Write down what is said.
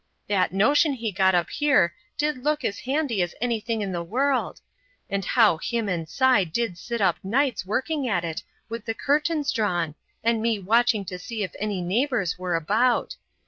That notion he got up here did look as handy as anything in the world; and how him and Si did sit up nights working at it with the curtains down and me watching to see if any neighbors were about.